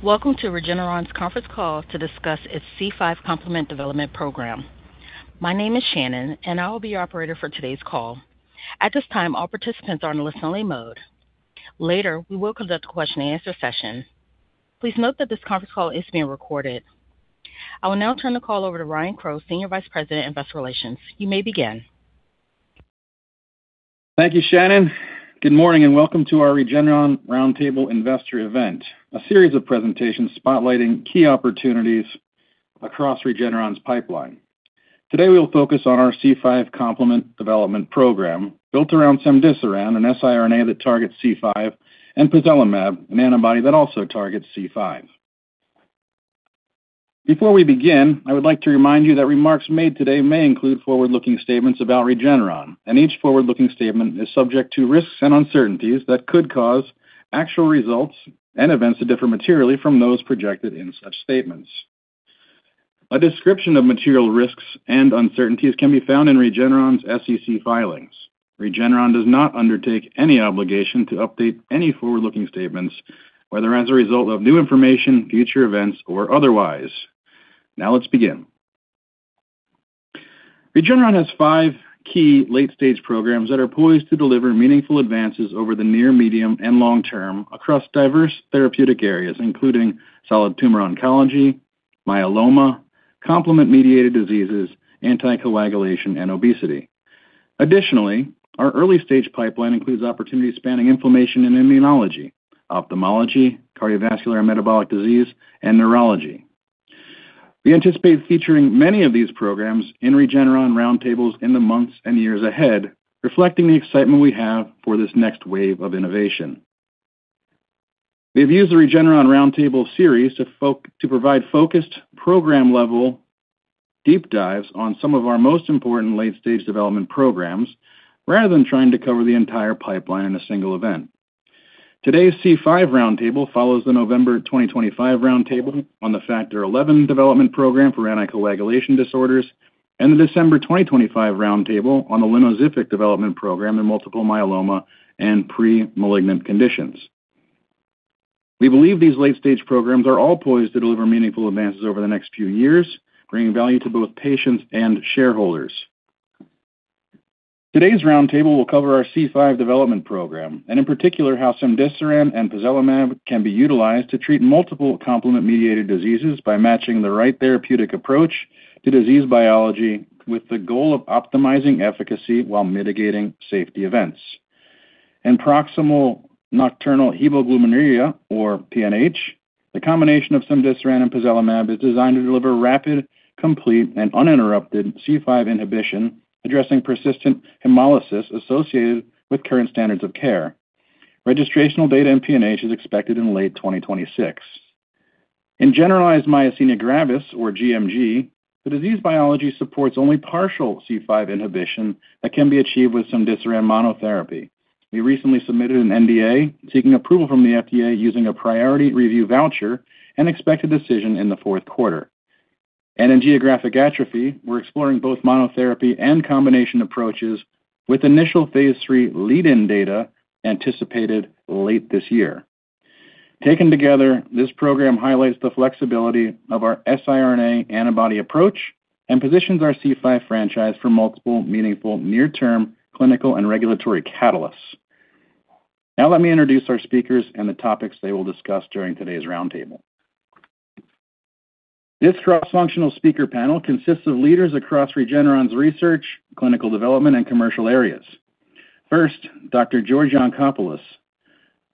Welcome to Regeneron's conference call to discuss its C5 complement development program. My name is Shannon, and I will be your operator for today's call. At this time, all participants are in listen only mode. Later, we will conduct a question and answer session. Please note that this conference call is being recorded. I will now turn the call over to Ryan Crowe, Senior Vice President, Investor Relations. You may begin. Thank you, Shannon. Good morning and welcome to our Regeneron Roundtable Investor event, a series of presentations spotlighting key opportunities across Regeneron's pipeline. Today, we'll focus on our C5 complement development program built around cemdisiran, an siRNA that targets C5, and pozelimab, an antibody that also targets C5. Before we begin, I would like to remind you that remarks made today may include forward-looking statements about Regeneron, and each forward-looking statement is subject to risks and uncertainties that could cause actual results and events to differ materially from those projected in such statements. A description of material risks and uncertainties can be found in Regeneron's SEC filings. Regeneron does not undertake any obligation to update any forward-looking statements, whether as a result of new information, future events, or otherwise. Now let's begin. Regeneron has five key late-stage programs that are poised to deliver meaningful advances over the near, medium, and long-term across diverse therapeutic areas, including solid tumor oncology, myeloma, complement mediated diseases, anticoagulation, and obesity. Additionally, our early stage pipeline includes opportunities spanning inflammation and immunology, ophthalmology, cardiovascular and metabolic disease, and neurology. We anticipate featuring many of these programs in Regeneron Roundtables in the months and years ahead, reflecting the excitement we have for this next wave of innovation. We've used the Regeneron Roundtable series to provide focused program level deep dives on some of our most important late-stage development programs, rather than trying to cover the entire pipeline in a single event. Today's C5 Roundtable follows the November 2025 Roundtable on the Factor XI development program for anticoagulation disorders, and the December 2025 Roundtable on the linvoseltamab development program in multiple myeloma and pre-malignant conditions. We believe these late stage programs are all poised to deliver meaningful advances over the next few years, bringing value to both patients and shareholders. Today's roundtable will cover our C5 development program, and in particular, how cemdisiran and pozelimab can be utilized to treat multiple complement mediated diseases by matching the right therapeutic approach to disease biology with the goal of optimizing efficacy while mitigating safety events. In paroxysmal nocturnal hemoglobinuria or PNH, the combination of cemdisiran and pozelimab is designed to deliver rapid, complete and uninterrupted C5 inhibition, addressing persistent hemolysis associated with current standards of care. Registrational data in PNH is expected in late 2026. In generalized myasthenia gravis or gMG, the disease biology supports only partial C5 inhibition that can be achieved with cemdisiran monotherapy. We recently submitted an NDA seeking approval from the FDA using a priority review voucher, and expect a decision in the fourth quarter. In Geographic Atrophy, we're exploring both monotherapy and combination approaches with initial phase III lead-in data anticipated late this year. Taken together, this program highlights the flexibility of our siRNA antibody approach and positions our C5 franchise for multiple meaningful near-term clinical and regulatory catalysts. Now let me introduce our speakers and the topics they will discuss during today's Roundtable. This cross-functional speaker panel consists of leaders across Regeneron's research, clinical development, and commercial areas. First, Dr. George Yancopoulos,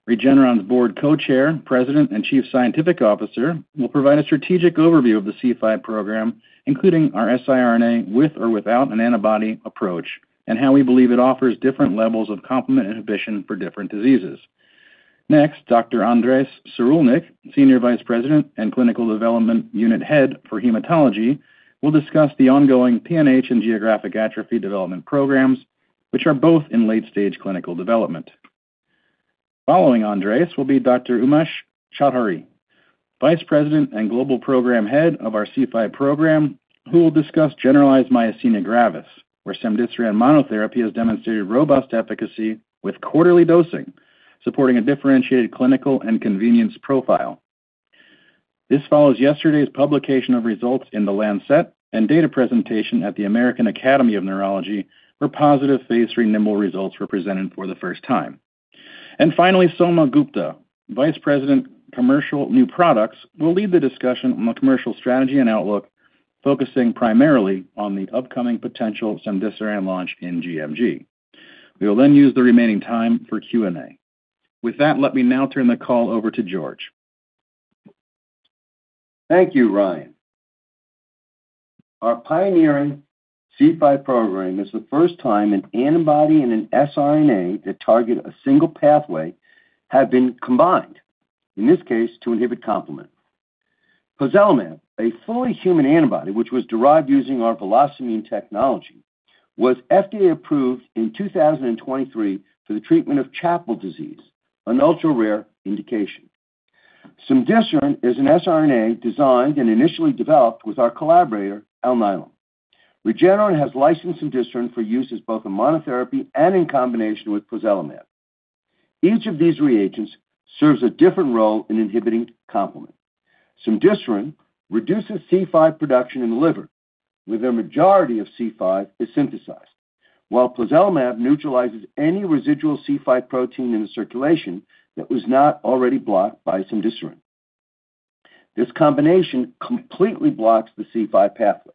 Regeneron's Board Co-Chair, President, and Chief Scientific Officer, will provide a strategic overview of the C5 program, including our siRNA with or without an antibody approach, and how we believe it offers different levels of complement inhibition for different diseases. Next, Dr. Andres Sirulnik, Senior Vice President and Clinical Development Unit Head for Hematology, will discuss the ongoing PNH and Geographic Atrophy development programs, which are both in late stage clinical development. Following Andres will be Dr. Umesh Chaudhari, Vice President and Global Program Head of our C5 program, who will discuss generalized myasthenia gravis, where cemdisiran monotherapy has demonstrated robust efficacy with quarterly dosing, supporting a differentiated clinical and convenience profile. This follows yesterday's publication of results in The Lancet and data presentation at the American Academy of Neurology, for which positive phase III NIMBLE results were presented for the first time. Finally, Soma Gupta, Vice President, Commercial New Products, will lead the discussion on the commercial strategy and outlook, focusing primarily on the upcoming potential cemdisiran launch in gMG. We will use the remaining time for Q&A. With that, let me now turn the call over to George. Thank you, Ryan. Our pioneering C5 program is the first time an antibody and an siRNA that target a single pathway have been combined, in this case, to inhibit complement. Pozelimab, a fully human antibody which was derived using our VelocImmune technology, was FDA approved in 2023 for the treatment of CHAPLE disease, an ultra-rare indication. Cemdisiran is an siRNA designed and initially developed with our collaborator, Alnylam. Regeneron has licensed cemdisiran for use as both a monotherapy and in combination with pozelimab. Each of these reagents serves a different role in inhibiting complement. Cemdisiran reduces C5 production in the liver, where the majority of C5 is synthesized, while pozelimab neutralizes any residual C5 protein in the circulation that was not already blocked by cemdisiran. This combination completely blocks the C5 pathway.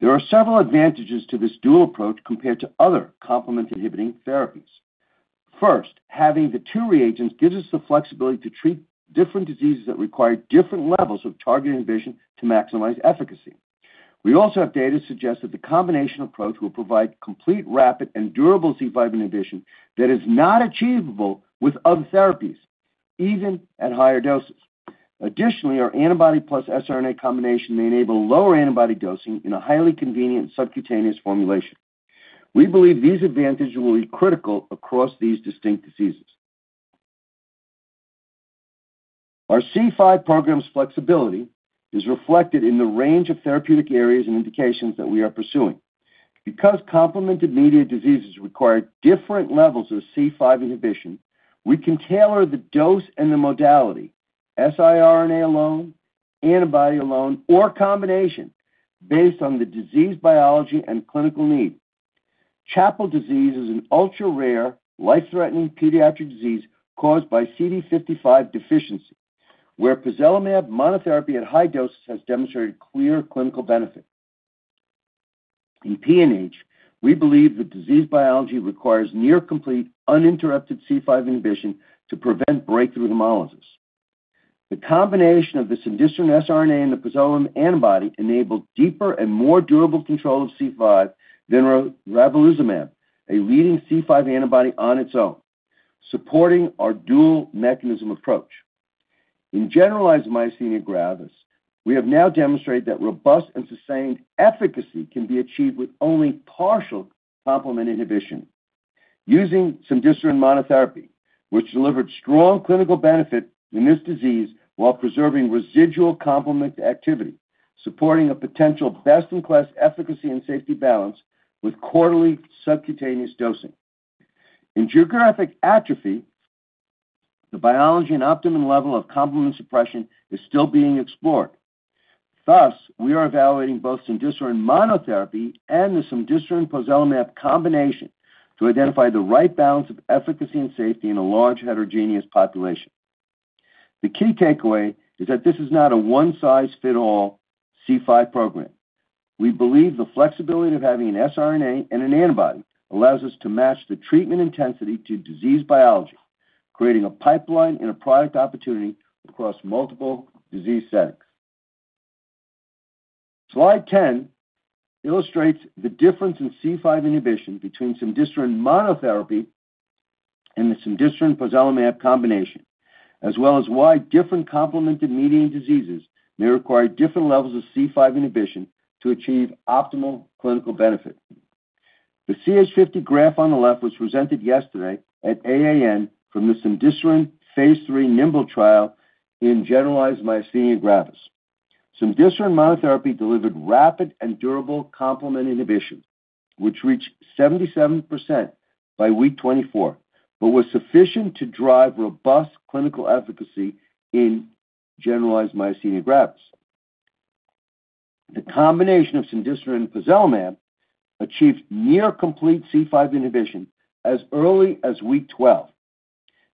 There are several advantages to this dual approach compared to other complement-inhibiting therapies. First, having the two reagents gives us the flexibility to treat different diseases that require different levels of target inhibition to maximize efficacy. We also have data to suggest that the combination approach will provide complete, rapid, and durable C5 inhibition that is not achievable with other therapies, even at higher doses. Additionally, our antibody plus siRNA combination may enable lower antibody dosing in a highly convenient subcutaneous formulation. We believe these advantages will be critical across these distinct diseases. Our C5 program's flexibility is reflected in the range of therapeutic areas and indications that we are pursuing. Because complement-mediated diseases require different levels of C5 inhibition, we can tailor the dose and the modality, siRNA alone, antibody alone, or combination based on the disease biology and clinical need. CHAPLE disease is an ultra-rare, life-threatening pediatric disease caused by CD55 deficiency, where pozelimab monotherapy at high doses has demonstrated clear clinical benefit. In PNH, we believe the disease biology requires near complete, uninterrupted C5 inhibition to prevent breakthrough hemolysis. The combination of the cemdisiran siRNA and the pozelimab antibody enable deeper and more durable control of C5 than eculizumab, a leading C5 antibody on its own, supporting our dual mechanism approach. In generalized myasthenia gravis, we have now demonstrated that robust and sustained efficacy can be achieved with only partial complement inhibition using cemdisiran monotherapy, which delivered strong clinical benefit in this disease while preserving residual complement activity, supporting a potential best-in-class efficacy and safety balance with quarterly subcutaneous dosing. In Geographic Atrophy, the biology and optimum level of complement suppression is still being explored. Thus, we are evaluating both cemdisiran monotherapy and the cemdisiran/pozelimab combination to identify the right balance of efficacy and safety in a large heterogeneous population. The key takeaway is that this is not a one-size-fits-all C5 program. We believe the flexibility of having an siRNA and an antibody allows us to match the treatment intensity to disease biology, creating a pipeline and a product opportunity across multiple disease settings. Slide 10 illustrates the difference in C5 inhibition between cemdisiran monotherapy and the cemdisiran/pozelimab combination, as well as why different complement-mediated diseases may require different levels of C5 inhibition to achieve optimal clinical benefit. The CH50 graph on the left was presented yesterday at AAN from the cemdisiran phase III NIMBLE trial in generalized myasthenia gravis. Cemdisiran monotherapy delivered rapid and durable complement inhibition, which reached 77% by week 24, but was sufficient to drive robust clinical efficacy in generalized myasthenia gravis. The combination of cemdisiran and pozelimab achieved near complete C5 inhibition as early as week 12.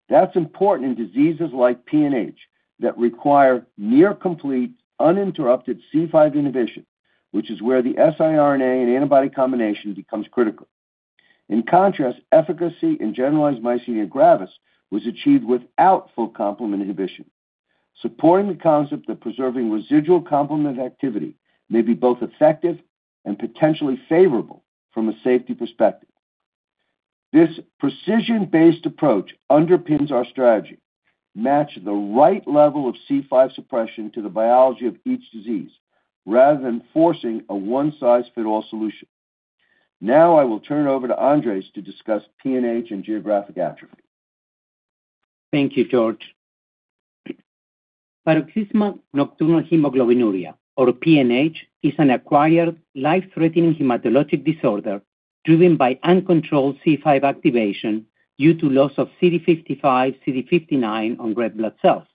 That's important in diseases like PNH that require near complete, uninterrupted C5 inhibition, which is where the siRNA and antibody combination becomes critical. In contrast, efficacy in generalized myasthenia gravis was achieved without full complement inhibition, supporting the concept that preserving residual complement activity may be both effective and potentially favorable from a safety perspective. This precision-based approach underpins our strategy. Match the right level of C5 suppression to the biology of each disease rather than forcing a one-size-fits-all solution. Now I will turn it over to Andres to discuss PNH and Geographic Atrophy. Thank you, George. Paroxysmal nocturnal hemoglobinuria, or PNH, is an acquired life-threatening hematologic disorder driven by uncontrolled C5 activation due to loss of CD55/CD59 on red blood cells,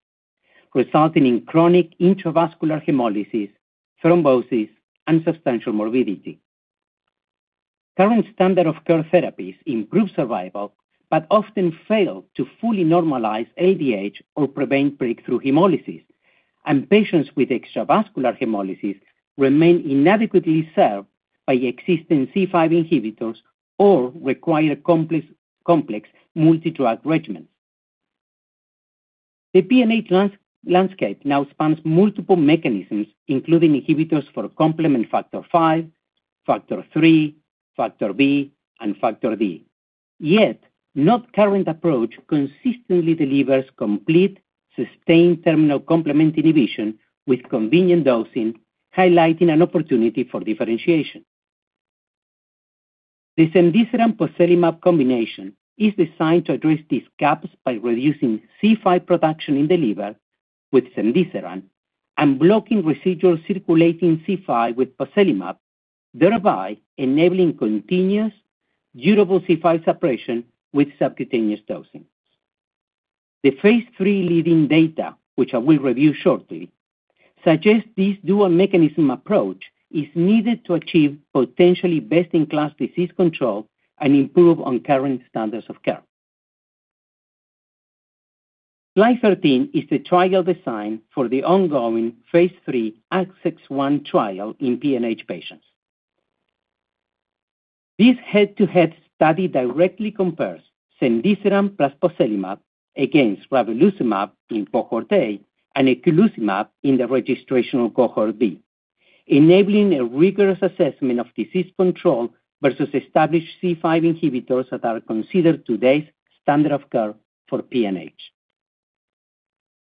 resulting in chronic intravascular hemolysis, thrombosis, and substantial morbidity. Current standard of care therapies improve survival but often fail to fully normalize LDH or prevent breakthrough hemolysis, and patients with extravascular hemolysis remain inadequately served by existing C5 inhibitors or require complex multi-drug regimens. The PNH landscape now spans multiple mechanisms, including inhibitors for complement factor P, C3, factor B, and factor D. Yet, no current approach consistently delivers complete, sustained terminal complement inhibition with convenient dosing, highlighting an opportunity for differentiation. The cemdisiran pozelimab combination is designed to address these gaps by reducing C5 production in the liver with cemdisiran and blocking residual circulating C5 with pozelimab, thereby enabling continuous, durable C5 suppression with subcutaneous dosing. The phase III leading data, which I will review shortly, suggests this dual mechanism approach is needed to achieve potentially best-in-class disease control and improve on current standards of care. Slide 13 is the trial design for the ongoing phase III Access I trial in PNH patients. This head-to-head study directly compares cemdisiran plus pozelimab against ravulizumab in Cohort A and eculizumab in the registrational Cohort B, enabling a rigorous assessment of disease control versus established C5 inhibitors that are considered today's standard of care for PNH.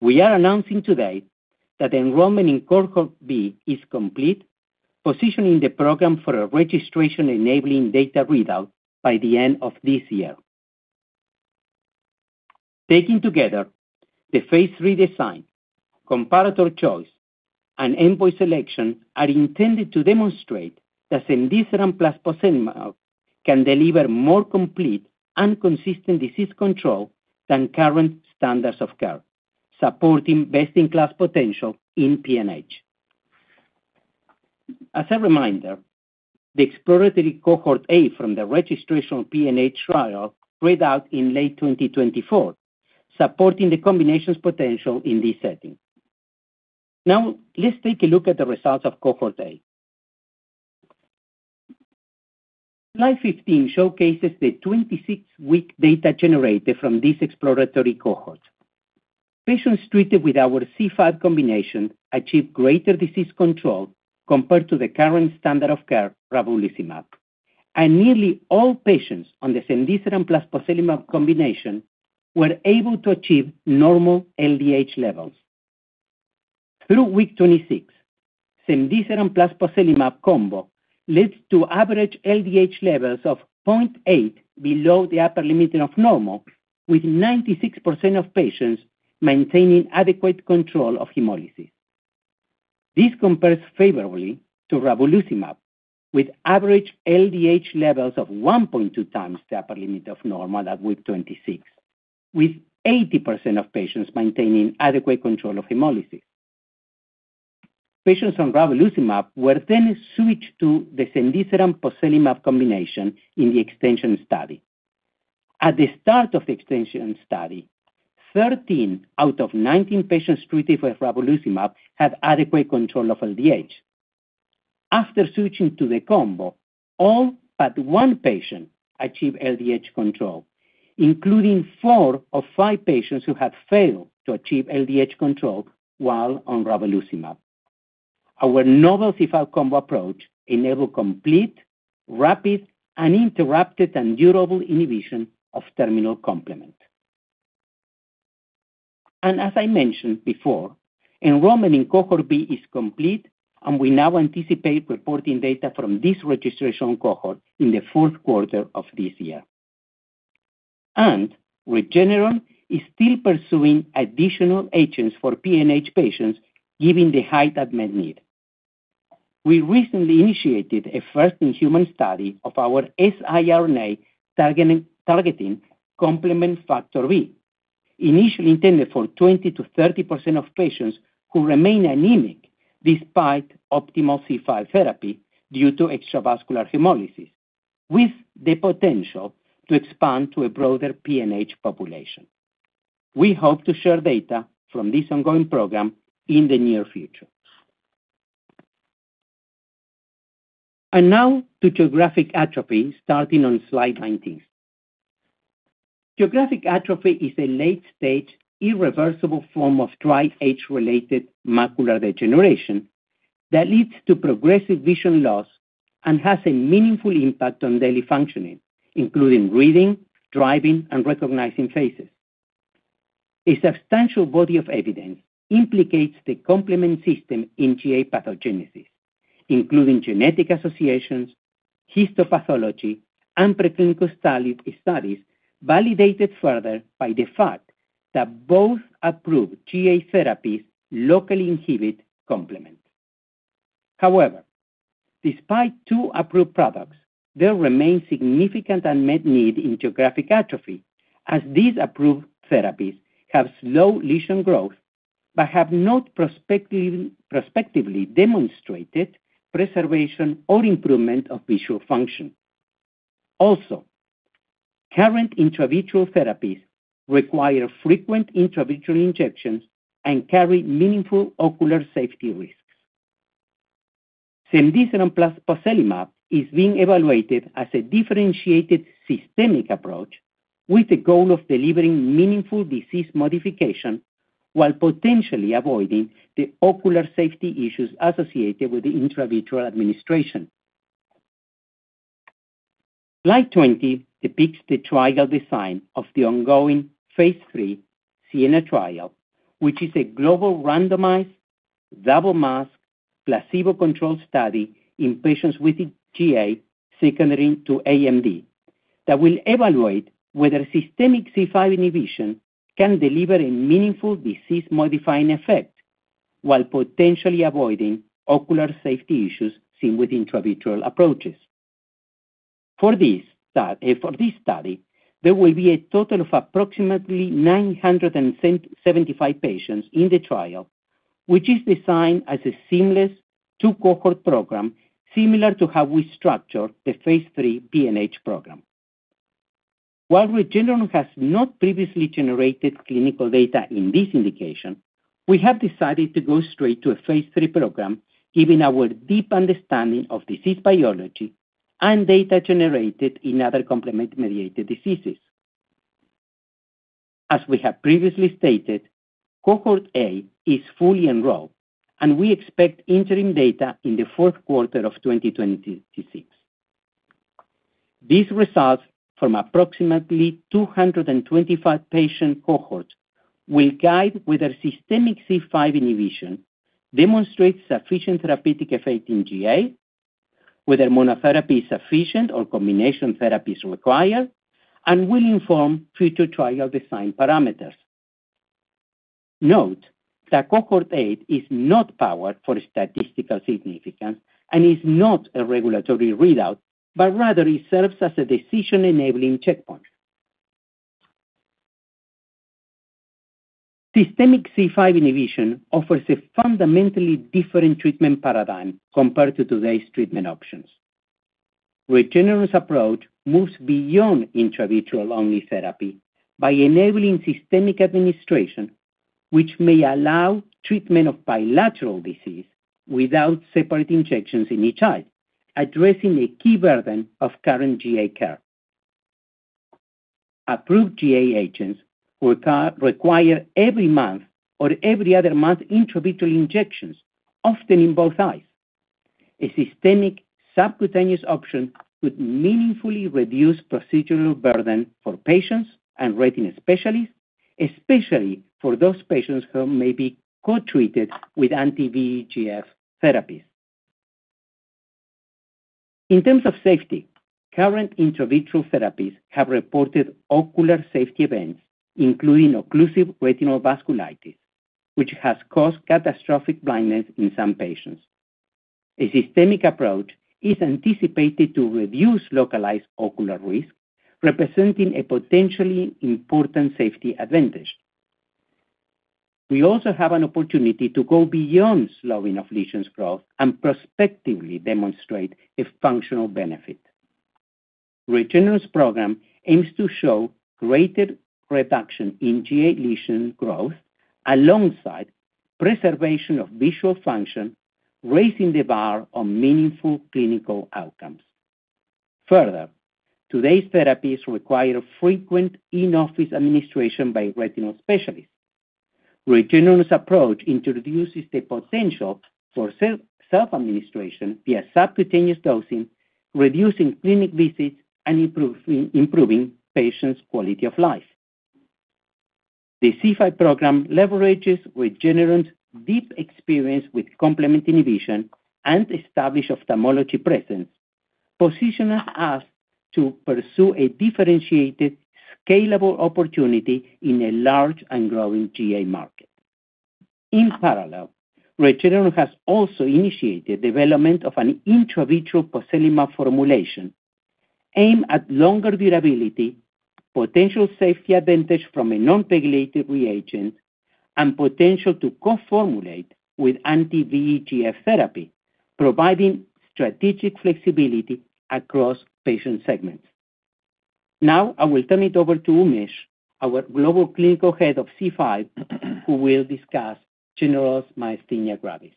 We are announcing today that enrollment in Cohort B is complete, positioning the program for a registration-enabling data readout by the end of this year. Taken together the phase III design, comparator choice, and endpoint selection are intended to demonstrate that cemdisiran plus pozelimab can deliver more complete and consistent disease control than current standards of care, supporting best-in-class potential in PNH. As a reminder, the exploratory Cohort A from the registration PNH trial read out in late 2024, supporting the combination's potential in this setting. Now, let's take a look at the results of Cohort A. Slide 15 showcases the 26-week data generated from this exploratory cohort. Patients treated with our C5 combination achieved greater disease control compared to the current standard of care, ravulizumab, and nearly all patients on the cemdisiran plus pozelimab combination were able to achieve normal LDH levels. Through week 26, cemdisiran plus pozelimab combo leads to average LDH levels of 0.8 below the upper limit of normal, with 96% of patients maintaining adequate control of hemolysis. This compares favorably to ravulizumab, with average LDH levels of 1.2 times the upper limit of normal at week 26, with 80% of patients maintaining adequate control of hemolysis. Patients on ravulizumab were then switched to the cemdisiran pozelimab combination in the extension study. At the start of the extension study, 13 out of 90 patients treated with ravulizumab had adequate control of LDH. After switching to the combo, all but one patient achieved LDH control, including four of five patients who had failed to achieve LDH control while on ravulizumab. Our novel C5 combo approach enabled complete, rapid, uninterrupted, and durable inhibition of terminal complement. As I mentioned before, enrollment in Cohort B is complete, and we now anticipate reporting data from this registration cohort in the fourth quarter of this year. Regeneron is still pursuing additional agents for PNH patients given the high unmet need. We recently initiated a first-in-human study of our siRNA targeting complement Factor B, initially intended for 20%-30% of patients who remain anemic despite optimal C5 therapy due to extravascular hemolysis, with the potential to expand to a broader PNH population. We hope to share data from this ongoing program in the near future. Now to Geographic Atrophy, starting on slide 19. Geographic Atrophy is a late-stage, irreversible form of dry age-related macular degeneration that leads to progressive vision loss and has a meaningful impact on daily functioning, including reading, driving, and recognizing faces. A substantial body of evidence implicates the complement system in GA pathogenesis, including genetic associations, histopathology, and preclinical studies, validated further by the fact that both approved GA therapies locally inhibit complement. However, despite two approved products, there remains significant unmet need in Geographic Atrophy, as these approved therapies have slow lesion growth but have not prospectively demonstrated preservation or improvement of visual function. Also, current intravitreal therapies require frequent intravitreal injections and carry meaningful ocular safety risks. Cemdisiran plus pozelimab is being evaluated as a differentiated systemic approach with the goal of delivering meaningful disease modification while potentially avoiding the ocular safety issues associated with the intravitreal administration. Slide 20 depicts the trial design of the ongoing phase III SIENA trial, which is a global randomized, double-masked, placebo-controlled study in patients with GA secondary to AMD that will evaluate whether systemic C5 inhibition can deliver a meaningful disease-modifying effect while potentially avoiding ocular safety issues seen with intravitreal approaches. For this study, there will be a total of approximately 975 patients in the trial, which is designed as a seamless two-cohort program similar to how we structured the phase III PNH program. While Regeneron has not previously generated clinical data in this indication, we have decided to go straight to a phase III program given our deep understanding of disease biology and data generated in other complement-mediated diseases. As we have previously stated, Cohort A is fully enrolled, and we expect interim data in the fourth quarter of 2026. These results from approximately 225-patient cohorts will guide whether systemic C5 inhibition demonstrates sufficient therapeutic effect in GA, whether monotherapy is sufficient or combination therapy is required, and will inform future trial design parameters. Note that Cohort A is not powered for statistical significance and is not a regulatory readout, but rather it serves as a decision-enabling checkpoint. Systemic C5 inhibition offers a fundamentally different treatment paradigm compared to today's treatment options. Regeneron's approach moves beyond intravitreal-only therapy by enabling systemic administration, which may allow treatment of bilateral disease without separate injections in each eye, addressing a key burden of current GA care. Approved GA agents require every month or every other month intravitreal injections, often in both eyes. A systemic subcutaneous option could meaningfully reduce procedural burden for patients and retina specialists, especially for those patients who may be co-treated with anti-VEGF therapies. In terms of safety, current intravitreal therapies have reported ocular safety events, including occlusive retinal vasculitis, which has caused catastrophic blindness in some patients. A systemic approach is anticipated to reduce localized ocular risk, representing a potentially important safety advantage. We also have an opportunity to go beyond slowing of lesions growth and prospectively demonstrate a functional benefit. Regeneron's program aims to show greater reduction in GA lesion growth alongside preservation of visual function, raising the bar on meaningful clinical outcomes. Further, today's therapies require frequent in-office administration by retinal specialists. Regeneron's approach introduces the potential for self-administration via subcutaneous dosing, reducing clinic visits and improving patients' quality of life. The C5 program leverages Regeneron's deep experience with complement inhibition and established ophthalmology presence, positioning us to pursue a differentiated, scalable opportunity in a large and growing GA market. In parallel, Regeneron has also initiated development of an intravitreal pozelimab formulation aimed at longer durability, potential safety advantage from a non-pegylated reagent, and potential to co-formulate with anti-VEGF therapy, providing strategic flexibility across patient segments. Now I will turn it over to Umesh Chaudhari, our global program head of C5, who will discuss generalized myasthenia gravis.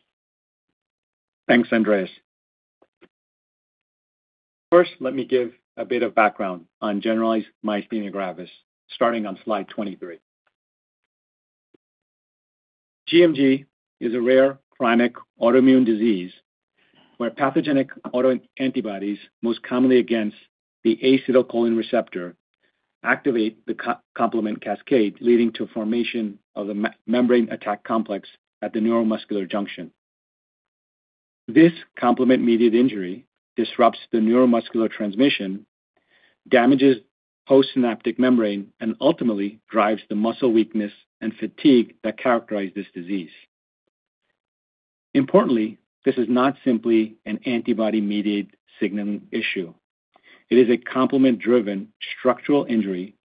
Thanks, Andres. First, let me give a bit of background on generalized myasthenia gravis, starting on slide 23. GMG is a rare chronic autoimmune disease where pathogenic autoantibodies, most commonly against the acetylcholine receptor, activate the complement cascade, leading to formation of the membrane attack complex at the neuromuscular junction. This complement-mediated injury disrupts the neuromuscular transmission, damages postsynaptic membrane, and ultimately drives the muscle weakness and fatigue that characterize this disease. Importantly, this is not simply an antibody-mediated signaling issue. It is a complement-driven structural injury,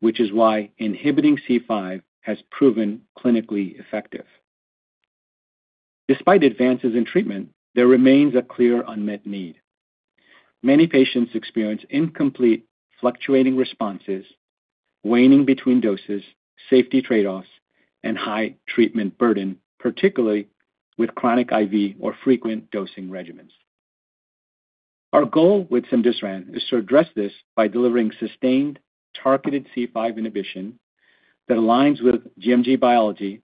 which is why inhibiting C5 has proven clinically effective. Despite advances in treatment, there remains a clear unmet need. Many patients experience incomplete fluctuating responses, waning between doses, safety trade-offs, and high treatment burden, particularly with chronic IV or frequent dosing regimens. Our goal with cemdisiran is to address this by delivering sustained, targeted C5 inhibition that aligns with gMG biology,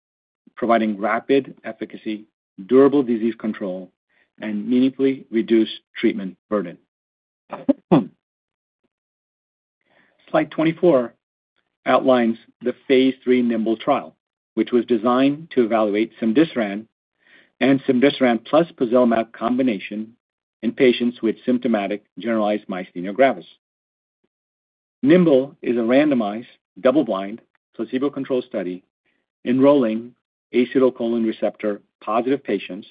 providing rapid efficacy, durable disease control, and meaningfully reduced treatment burden. Slide 24 outlines the phase III NIMBLE trial, which was designed to evaluate cemdisiran and cemdisiran plus eculizumab combination in patients with symptomatic generalized myasthenia gravis. NIMBLE is a randomized, double-blind, placebo-controlled study enrolling acetylcholine receptor-positive patients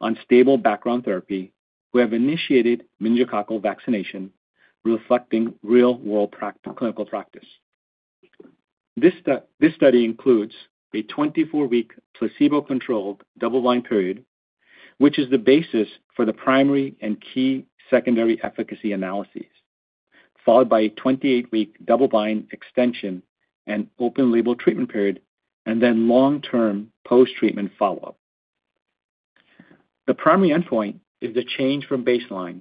on stable background therapy who have initiated meningococcal vaccination, reflecting real-world clinical practice. This study includes a 24-week placebo-controlled double-blind period, which is the basis for the primary and key secondary efficacy analyses, followed by a 28-week double-blind extension and open-label treatment period, and then long-term post-treatment follow-up. The primary endpoint is the change from baseline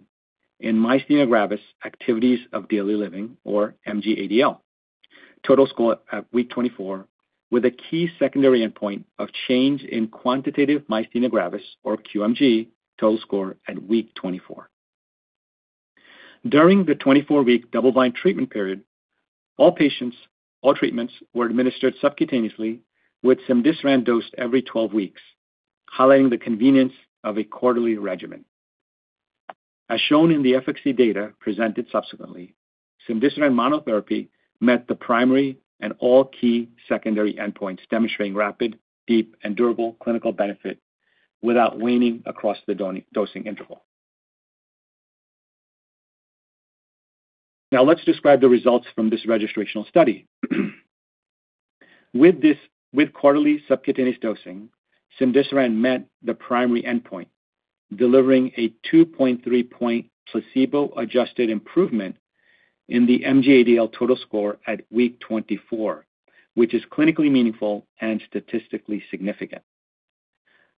in myasthenia gravis activities of daily living, or MG ADL, total score at week 24, with a key secondary endpoint of change in quantitative myasthenia gravis, or QMG, total score at week 24. During the 24-week double-blind treatment period, all treatments were administered subcutaneously with cemdisiran dosed every 12 weeks, highlighting the convenience of a quarterly regimen. As shown in the efficacy data presented subsequently, cemdisiran monotherapy met the primary and all key secondary endpoints, demonstrating rapid, deep, and durable clinical benefit without waning across the dosing interval. Now let's describe the results from this registrational study. With quarterly subcutaneous dosing, cemdisiran met the primary endpoint, delivering a 2.3-point placebo-adjusted improvement in the MG ADL total score at week 24, which is clinically meaningful and statistically significant.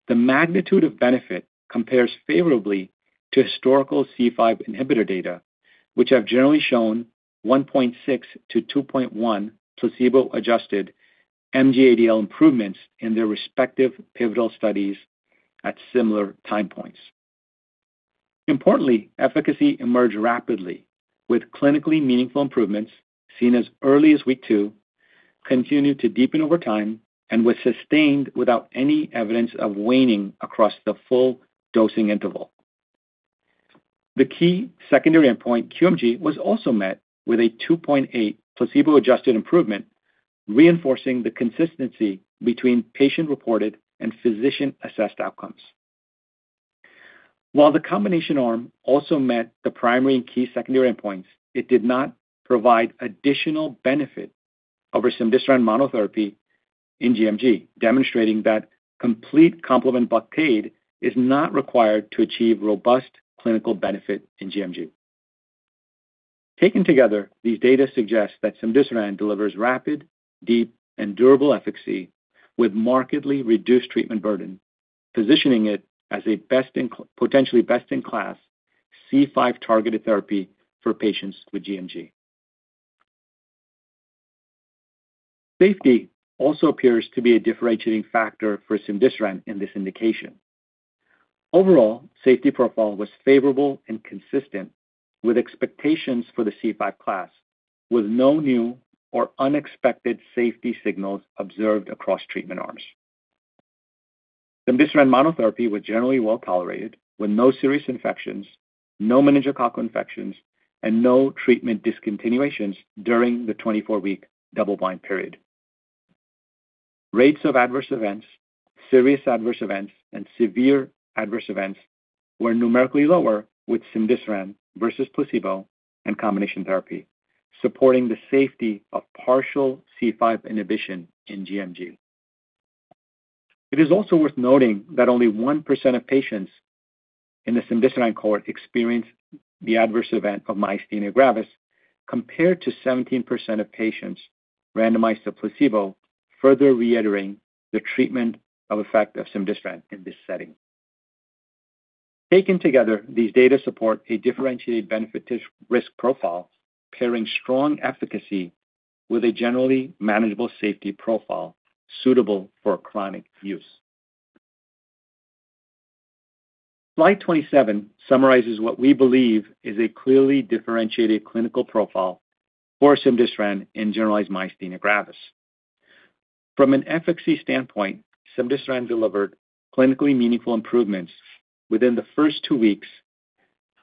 The magnitude of benefit compares favorably to historical C5 inhibitor data, which have generally shown 1.6-2.1 placebo-adjusted MG ADL improvements in their respective pivotal studies at similar time points. Importantly, efficacy emerged rapidly with clinically meaningful improvements seen as early as week two, continued to deepen over time, and was sustained without any evidence of waning across the full dosing interval. The key secondary endpoint, QMG, was also met with a 2.8 placebo-adjusted improvement, reinforcing the consistency between patient-reported and physician-assessed outcomes. While the combination arm also met the primary and key secondary endpoints, it did not provide additional benefit over cemdisiran monotherapy in gMG, demonstrating that complete complement blockade is not required to achieve robust clinical benefit in gMG. Taken together, these data suggest that cemdisiran delivers rapid, deep, and durable efficacy with markedly reduced treatment burden, positioning it as a potentially best-in-class C5-targeted therapy for patients with gMG. Safety also appears to be a differentiating factor for cemdisiran in this indication. Overall, safety profile was favorable and consistent with expectations for the C5 class, with no new or unexpected safety signals observed across treatment arms. Cemdisiran monotherapy was generally well-tolerated, with no serious infections, no meningococcal infections, and no treatment discontinuations during the 24-week double-blind period. Rates of adverse events, serious adverse events, and severe adverse events were numerically lower with cemdisiran versus placebo and combination therapy, supporting the safety of partial C5 inhibition in gMG. It is also worth noting that only 1% of patients in the cemdisiran cohort experienced the adverse event of myasthenia gravis, compared to 17% of patients randomized to placebo, further reiterating the treatment effect of cemdisiran in this setting. Taken together, these data support a differentiated benefit-to-risk profile, pairing strong efficacy with a generally manageable safety profile suitable for chronic use. Slide 27 summarizes what we believe is a clearly differentiated clinical profile for cemdisiran in generalized myasthenia gravis. From an efficacy standpoint, cemdisiran delivered clinically meaningful improvements within the first two weeks,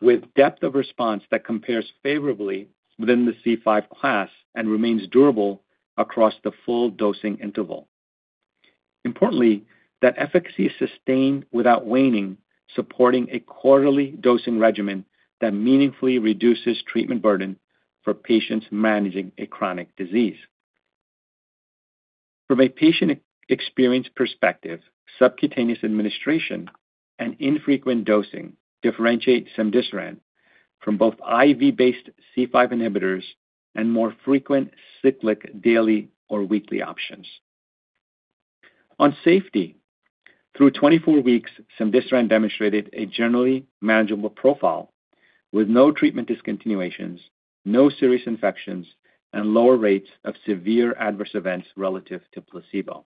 with depth of response that compares favorably within the C5 class and remains durable across the full dosing interval. Importantly, that efficacy is sustained without waning, supporting a quarterly dosing regimen that meaningfully reduces treatment burden for patients managing a chronic disease. From a patient experience perspective, subcutaneous administration and infrequent dosing differentiate cemdisiran from both IV-based C5 inhibitors and more frequent cyclic daily or weekly options. On safety, through 24 weeks, cemdisiran demonstrated a generally manageable profile with no treatment discontinuations, no serious infections, and lower rates of severe adverse events relative to placebo.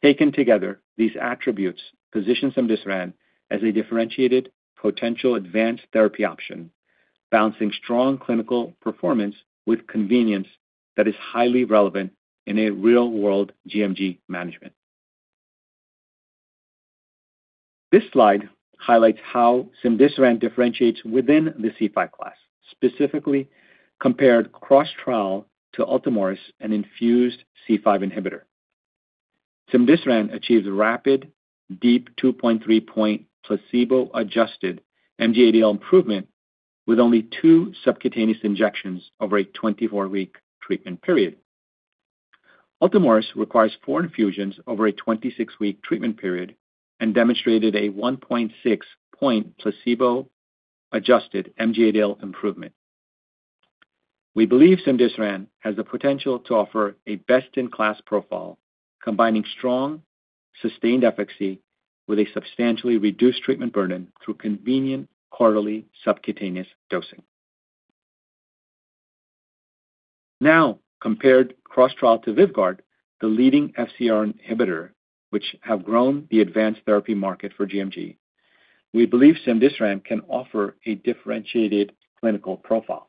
Taken together, these attributes position cemdisiran as a differentiated potential advanced therapy option, balancing strong clinical performance with convenience that is highly relevant in a real-world gMG management. This slide highlights how cemdisiran differentiates within the C5 class, specifically compared cross-trial to Ultomiris, an infused C5 inhibitor. Cemdisiran achieves rapid, deep 2-point, 3-point placebo-adjusted MG-ADL improvement with only two subcutaneous injections over a 24-week treatment period. Ultomiris requires four infusions over a 26-week treatment period and demonstrated a 1.6-point placebo-adjusted MG-ADL improvement. We believe cemdisiran has the potential to offer a best-in-class profile, combining strong, sustained efficacy with a substantially reduced treatment burden through convenient quarterly subcutaneous dosing. Now, compared cross-trial to Vyvgart, the leading FcRn inhibitor, which have grown the advanced therapy market for gMG. We believe cemdisiran can offer a differentiated clinical profile.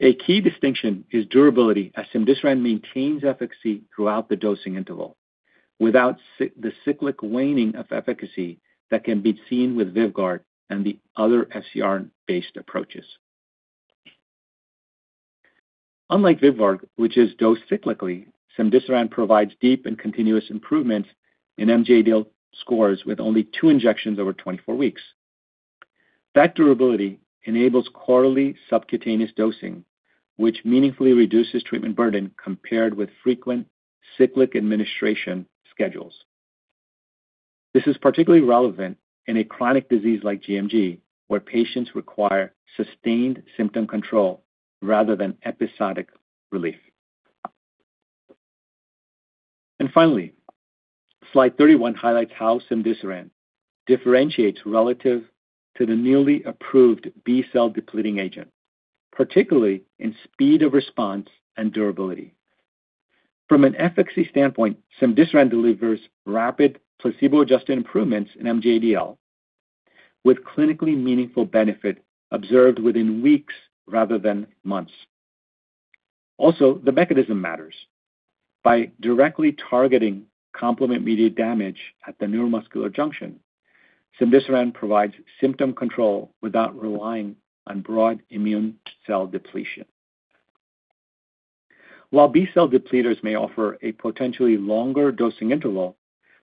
A key distinction is durability, as cemdisiran maintains efficacy throughout the dosing interval without the cyclic waning of efficacy that can be seen with Vyvgart and the other FcRn-based approaches. Unlike Vyvgart, which is dosed cyclically, cemdisiran provides deep and continuous improvements in MG-ADL scores with only two injections over 24 weeks. That durability enables quarterly subcutaneous dosing, which meaningfully reduces treatment burden compared with frequent cyclic administration schedules. This is particularly relevant in a chronic disease like gMG, where patients require sustained symptom control rather than episodic relief. Finally, slide 31 highlights how cemdisiran differentiates relative to the newly approved B-cell depleting agent, particularly in speed of response and durability. From an efficacy standpoint, cemdisiran delivers rapid placebo-adjusted improvements in MG-ADL, with clinically meaningful benefit observed within weeks rather than months. Also, the mechanism matters. By directly targeting complement-mediated damage at the neuromuscular junction, cemdisiran provides symptom control without relying on broad immune cell depletion. While B-cell depleters may offer a potentially longer dosing interval,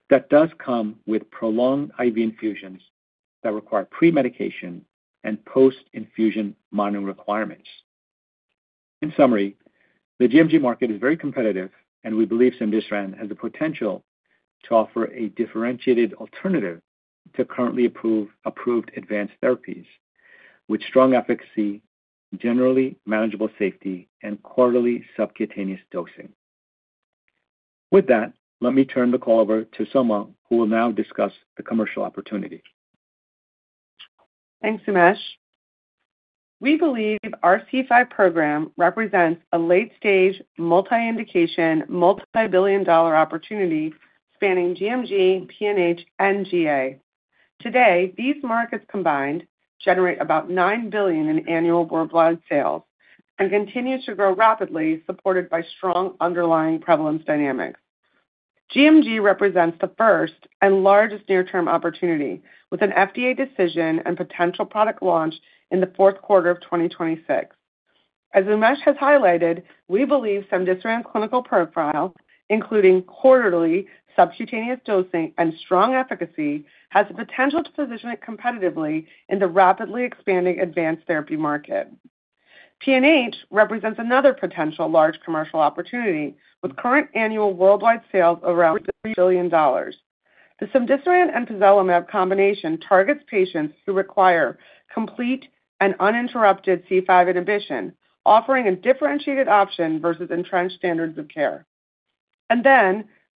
that does come with prolonged IV infusions that require pre-medication and post-infusion monitoring requirements. In summary, the gMG market is very competitive, and we believe cemdisiran has the potential to offer a differentiated alternative to currently approved advanced therapies with strong efficacy, generally manageable safety, and quarterly subcutaneous dosing. With that, let me turn the call over to Soma, who will now discuss the commercial opportunity. Thanks, Umesh. We believe our C5 program represents a late-stage, multi-indication, multi-billion-dollar opportunity spanning GMG, PNH, and GA. Today, these markets combined generate about $9 billion in annual worldwide sales and continue to grow rapidly, supported by strong underlying prevalence dynamics. GMG represents the first and largest near-term opportunity, with an FDA decision and potential product launch in the fourth quarter of 2026. As Umesh has highlighted, we believe cemdisiran's clinical profile, including quarterly subcutaneous dosing and strong efficacy, has the potential to position it competitively in the rapidly expanding advanced therapy market. PNH represents another potential large commercial opportunity, with current annual worldwide sales around $3 billion. The cemdisiran and pozelimab combination targets patients who require complete and uninterrupted C5 inhibition, offering a differentiated option versus entrenched standards of care.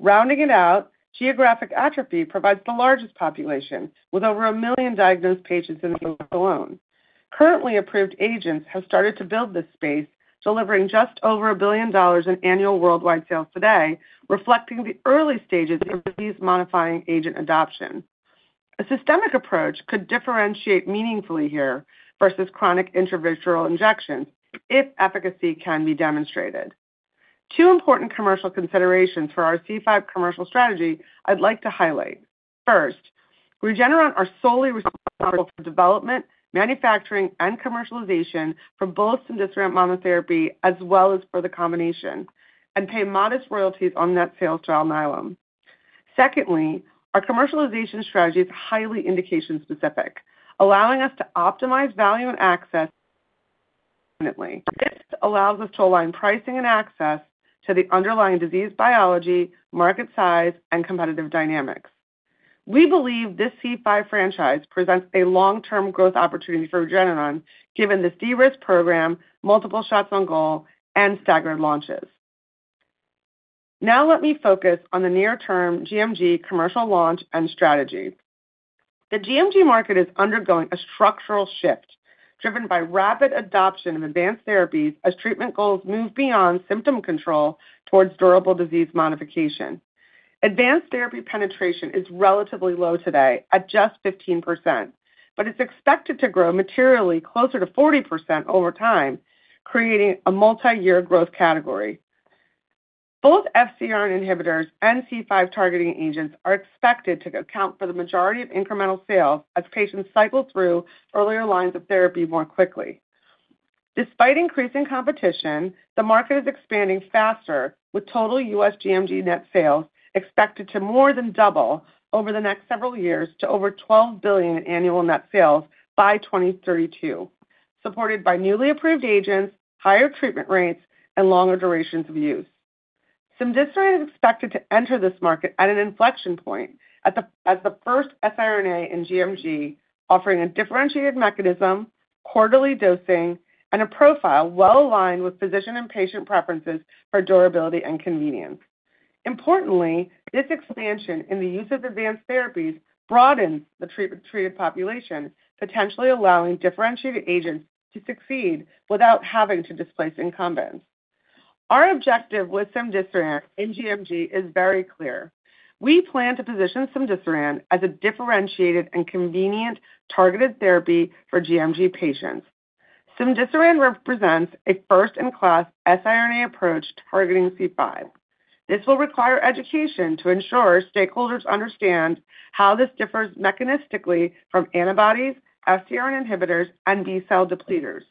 Rounding it out, Geographic Atrophy provides the largest population, with over 1 million diagnosed patients in the U.S. alone. Currently approved agents have started to build this space, delivering just over $1 billion in annual worldwide sales today, reflecting the early stages of disease-modifying agent adoption. A systemic approach could differentiate meaningfully here versus chronic intravitreal injection if efficacy can be demonstrated. Two important commercial considerations for our C5 commercial strategy I'd like to highlight. First, Regeneron are solely responsible for development, manufacturing, and commercialization for both cemdisiran monotherapy as well as for the combination, and pay modest royalties on net sales to Alnylam. Secondly, our commercialization strategy is highly indication-specific, allowing us to optimize value and access permanently. This allows us to align pricing and access to the underlying disease biology, market size, and competitive dynamics. We believe this C5 franchise presents a long-term growth opportunity for Regeneron, given the de-risk program, multiple shots on goal, and staggered launches. Now let me focus on the near-term gMG commercial launch and strategy. The gMG market is undergoing a structural shift driven by rapid adoption of advanced therapies as treatment goals move beyond symptom control towards durable disease modification. Advanced therapy penetration is relatively low today at just 15%, but it's expected to grow materially closer to 40% over time, creating a multiyear growth category. Both FcRn inhibitors and C5 targeting agents are expected to account for the majority of incremental sales as patients cycle through earlier lines of therapy more quickly. Despite increasing competition, the market is expanding faster, with total U.S. gMG net sales expected to more than double over the next several years to over $12 billion in annual net sales by 2032, supported by newly approved agents, higher treatment rates, and longer durations of use. Cemdisiran is expected to enter this market at an inflection point as the first siRNA in gMG, offering a differentiated mechanism, quarterly dosing, and a profile well-aligned with physician and patient preferences for durability and convenience. Importantly, this expansion in the use of advanced therapies broadens the treated population, potentially allowing differentiated agents to succeed without having to displace incumbents. Our objective with cemdisiran in gMG is very clear. We plan to position cemdisiran as a differentiated and convenient targeted therapy for gMG patients. Cemdisiran represents a first-in-class siRNA approach targeting C5. This will require education to ensure stakeholders understand how this differs mechanistically from antibodies, FcRn inhibitors, and B-cell depleters.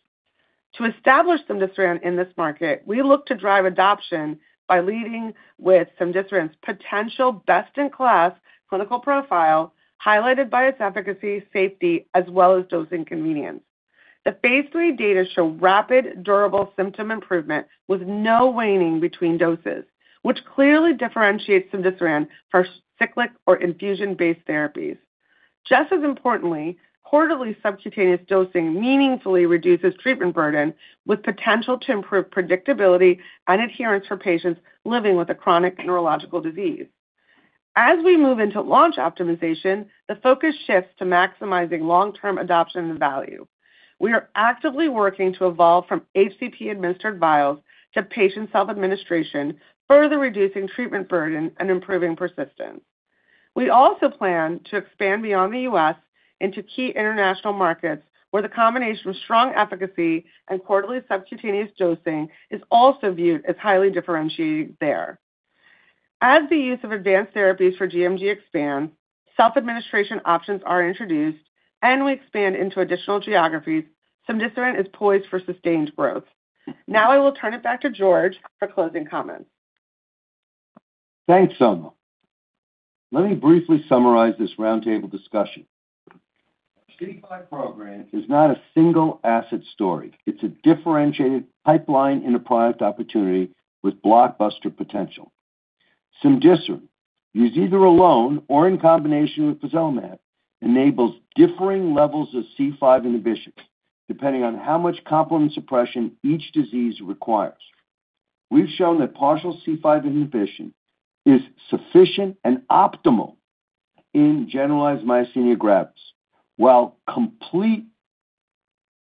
To establish cemdisiran in this market, we look to drive adoption by leading with cemdisiran's potential best-in-class clinical profile, highlighted by its efficacy, safety, as well as dosing convenience. The phase III data show rapid, durable symptom improvement with no waning between doses, which clearly differentiates cemdisiran for cyclic or infusion-based therapies. Just as importantly, quarterly subcutaneous dosing meaningfully reduces treatment burden with potential to improve predictability and adherence for patients living with a chronic neurological disease. As we move into launch optimization, the focus shifts to maximizing long-term adoption and value. We are actively working to evolve from HCP-administered vials to patient self-administration, further reducing treatment burden and improving persistence. We also plan to expand beyond the U.S. into key international markets where the combination of strong efficacy and quarterly subcutaneous dosing is also viewed as highly differentiating there. As the use of advanced therapies for gMG expand, self-administration options are introduced, and we expand into additional geographies, cemdisiran is poised for sustained growth. Now I will turn it back to George for closing comments. Thanks, Soma. Let me briefly summarize this Roundtable discussion. C5 program is not a single asset story. It's a differentiated pipeline in a product opportunity with blockbuster potential. Cemdisiran, used either alone or in combination with pozelimab, enables differing levels of C5 inhibition, depending on how much complement suppression each disease requires. We've shown that partial C5 inhibition is sufficient and optimal in generalized myasthenia gravis, while complete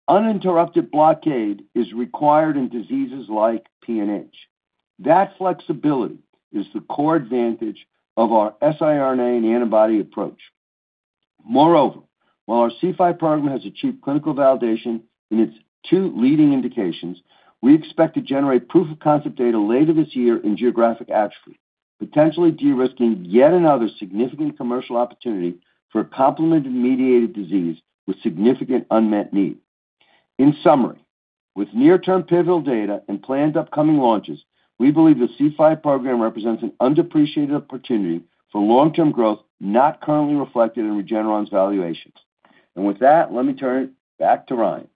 uninterrupted blockade is required in diseases like PNH. That flexibility is the core advantage of our siRNA and antibody approach. Moreover, while our C5 program has achieved clinical validation in its two leading indications, we expect to generate proof-of-concept data later this year in Geographic Atrophy, potentially de-risking yet another significant commercial opportunity for a complement-mediated disease with significant unmet need. In summary, with near-term pivotal data and planned upcoming launches, we believe the C5 program represents an underappreciated opportunity for long-term growth not currently reflected in Regeneron's valuations. With that, let me turn it back to Ryan.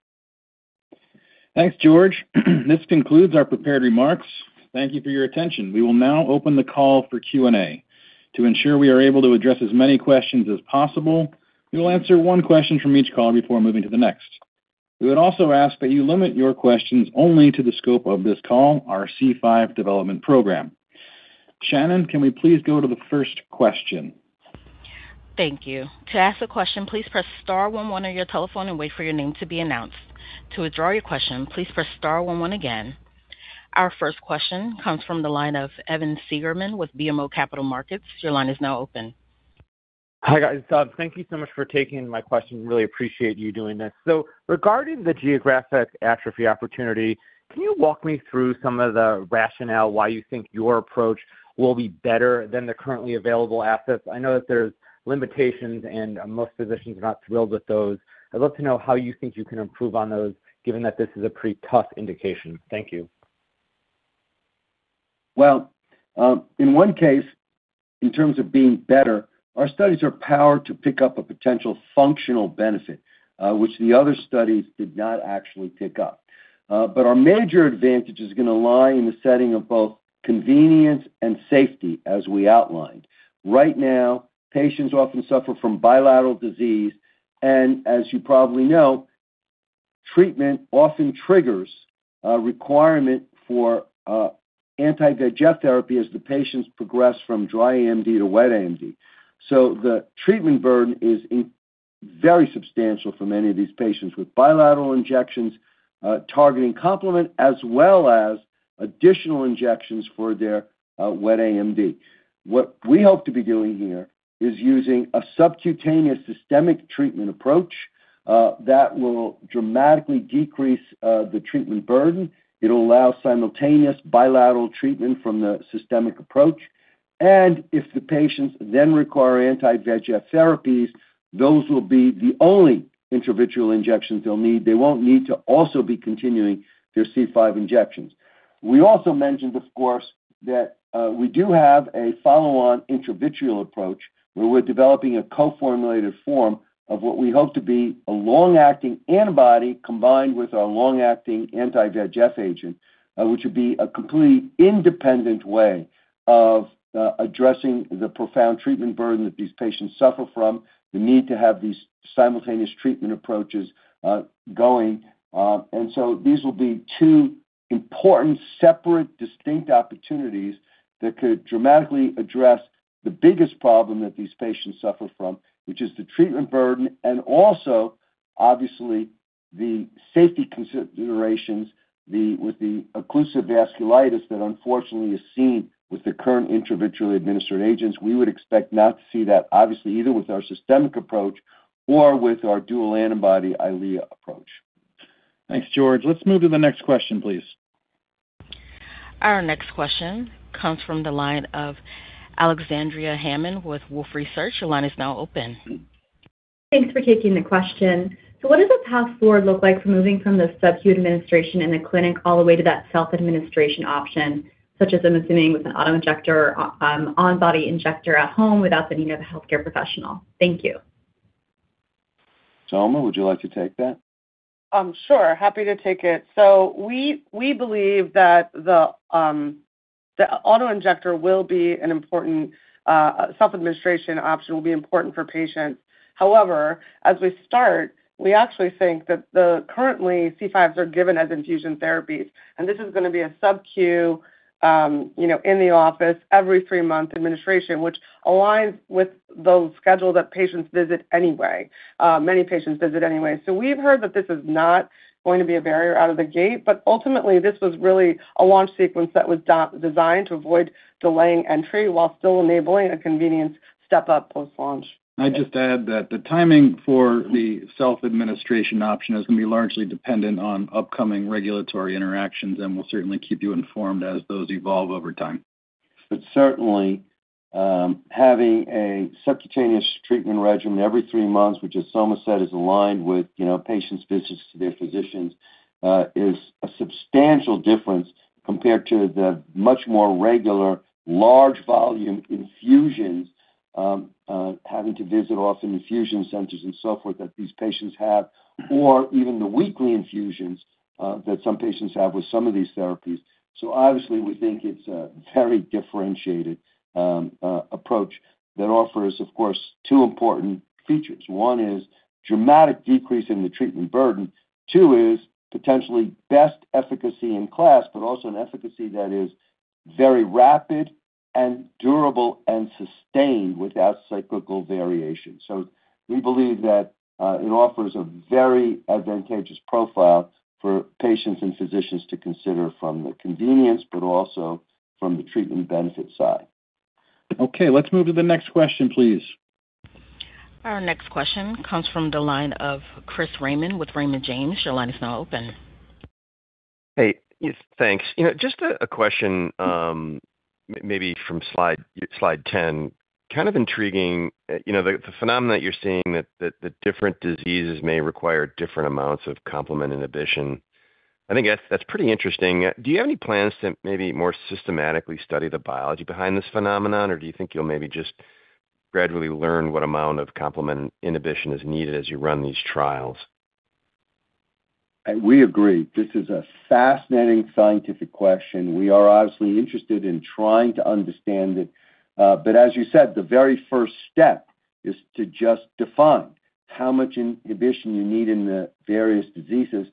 Thanks, George. This concludes our prepared remarks. Thank you for your attention. We will now open the call for Q&A. To ensure we are able to address as many questions as possible, we will answer one question from each caller before moving to the next. We would also ask that you limit your questions only to the scope of this call, our C5 development program. Shannon, can we please go to the first question? Thank you. To ask a question, please press star one one on your telephone and wait for your name to be announced. To withdraw your question, please press star one one again. Our first question comes from the line of Evan Seigerman with BMO Capital Markets. Your line is now open. Hi, guys. Thank you so much for taking my question. Really appreciate you doing this. Regarding the Geographic Atrophy opportunity, can you walk me through some of the rationale why you think your approach will be better than the currently available assets? I know that there's limitations, and most physicians are not thrilled with those. I'd love to know how you think you can improve on those, given that this is a pretty tough indication. Thank you. Well, in one case, in terms of being better, our studies are powered to pick up a potential functional benefit, which the other studies did not actually pick up. Our major advantage is going to lie in the setting of both convenience and safety, as we outlined. Right now, patients often suffer from bilateral disease, and as you probably know. Treatment often triggers a requirement for anti-VEGF therapy as the patients progress from dry AMD to wet AMD. The treatment burden is very substantial for many of these patients with bilateral injections targeting complement as well as additional injections for their wet AMD. What we hope to be doing here is using a subcutaneous systemic treatment approach that will dramatically decrease the treatment burden. It'll allow simultaneous bilateral treatment from the systemic approach, and if the patients then require anti-VEGF therapies, those will be the only intravitreal injections they'll need. They won't need to also be continuing their C5 injections. We also mentioned, of course, that we do have a follow-on intravitreal approach where we're developing a co-formulated form of what we hope to be a long-acting antibody combined with our long-acting anti-VEGF agent, which would be a completely independent way of addressing the profound treatment burden that these patients suffer from, the need to have these simultaneous treatment approaches going. These will be two important, separate, distinct opportunities that could dramatically address the biggest problem that these patients suffer from, which is the treatment burden and also, obviously, the safety considerations with the occlusive vasculitis that unfortunately is seen with the current intravitreal administered agents. We would expect not to see that obviously either with our systemic approach or with our dual antibody EYLEA approach. Thanks, George. Let's move to the next question, please. Our next question comes from the line of Alexandria Hammond with Wolfe Research. Your line is now open. Thanks for taking the question. What does the path forward look like for moving from the subcu administration in the clinic all the way to that self-administration option, such as I'm assuming with an auto-injector or on-body injector at home without the need of a healthcare professional? Thank you. Soma, would you like to take that? Sure. Happy to take it. We believe that the auto-injector will be an important self-administration option, will be important for patients. However, as we start, we actually think that the current C5s are given as infusion therapies, and this is going to be a subcu in the office every three-month administration, which aligns with those schedules that patients visit anyway. We've heard that this is not going to be a barrier out of the gate, but ultimately, this was really a launch sequence that was designed to avoid delaying entry while still enabling a convenient step-up post-launch. I just add that the timing for the self-administration option is going to be largely dependent on upcoming regulatory interactions, and we'll certainly keep you informed as those evolve over time. Certainly, having a subcutaneous treatment regimen every three months, which as Soma said is aligned with patients' visits to their physicians, is a substantial difference compared to the much more regular large volume infusions, having to visit often infusion centers and so forth that these patients have, or even the weekly infusions that some patients have with some of these therapies. Obviously, we think it's a very differentiated approach that offers, of course, two important features. One is dramatic decrease in the treatment burden. Two is potentially best efficacy in class, but also an efficacy that is very rapid and durable and sustained without cyclical variation. We believe that it offers a very advantageous profile for patients and physicians to consider from the convenience, but also from the treatment benefit side. Okay, let's move to the next question, please. Our next question comes from the line of Chris Raymond with Raymond James. Your line is now open. Hey. Yes, thanks. Just a question maybe from slide 10. Kind of intriguing, the phenomenon that you're seeing that different diseases may require different amounts of complement inhibition. I think that's pretty interesting. Do you have any plans to maybe more systematically study the biology behind this phenomenon? Or do you think you'll maybe just gradually learn what amount of complement inhibition is needed as you run these trials? We agree. This is a fascinating scientific question. We are obviously interested in trying to understand it. As you said, the very first step is to just define how much inhibition you need in the various diseases.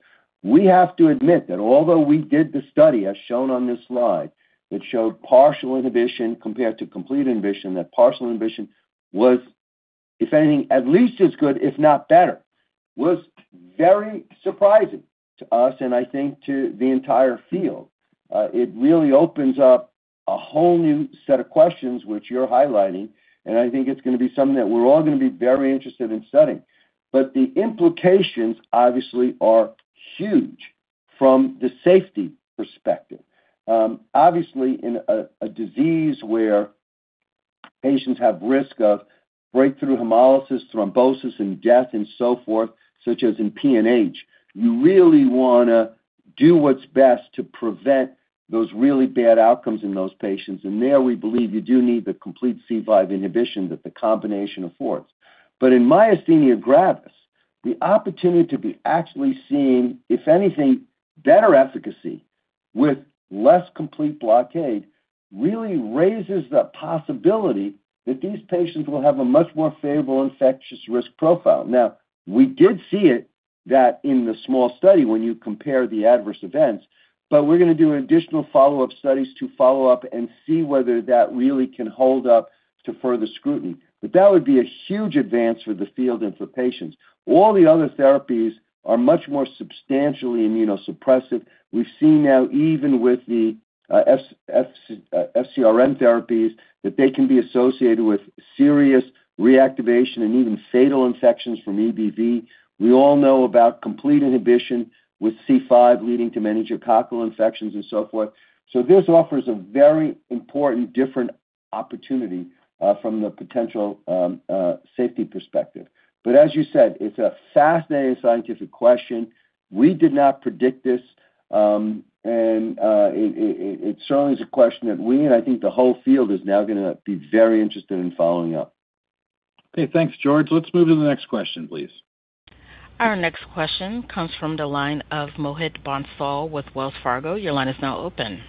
We have to admit that although we did the study as shown on this slide, that showed partial inhibition compared to complete inhibition, that partial inhibition was, if anything, at least as good, if not better, was very surprising to us and I think to the entire field. It really opens up a whole new set of questions which you're highlighting, and I think it's going to be something that we're all going to be very interested in studying. The implications obviously are huge from the safety perspective. Obviously, in a disease where patients have risk of breakthrough hemolysis, thrombosis, and death, and so forth, such as in PNH, you really want to do what's best to prevent those really bad outcomes in those patients. There, we believe you do need the complete C5 inhibition that the combination affords. In myasthenia gravis, the opportunity to be actually seeing, if anything, better efficacy with less complete blockade, really raises the possibility that these patients will have a much more favorable infectious risk profile. Now, we did see that in the small study when you compare the adverse events, but we're going to do additional follow-up studies to follow up and see whether that really can hold up to further scrutiny. That would be a huge advance for the field and for patients. All the other therapies are much more substantially immunosuppressive. We see now even with the FcRn therapies, that they can be associated with serious reactivation and even fatal infections from EBV. We all know about complete inhibition with C5 leading to meningococcal infections and so forth. This offers a very important different opportunity from the potential safety perspective. As you said, it's a fascinating scientific question. We did not predict this, and it certainly is a question that we and I think the whole field is now going to be very interested in following up. Okay. Thanks, George. Let's move to the next question, please. Our next question comes from the line of Mohit Bansal with Wells Fargo. Your line is now open.